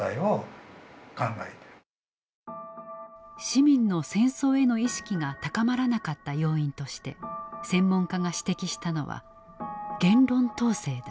市民の戦争への意識が高まらなかった要因として専門家が指摘したのは言論統制だ。